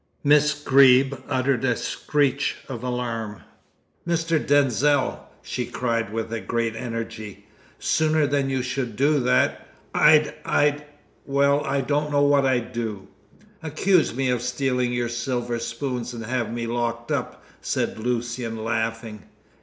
Miss Greeb uttered a screech of alarm. "Mr. Denzil!" she cried, with great energy, "sooner than you should do that, I'd I'd well, I don't know what I'd do!" "Accuse me of stealing your silver spoons and have me locked up," said Lucian, laughing.